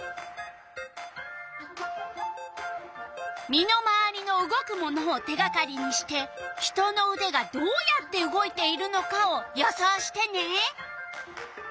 身の回りの動くものを手がかりにして人のうでがどうやって動いているのかを予想してね！